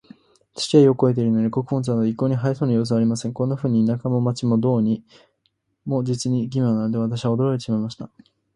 土はよく肥えているのに、穀物など一向に生えそうな様子はありません。こんなふうに、田舎も街も、どうも実に奇妙なので、私は驚いてしまいました。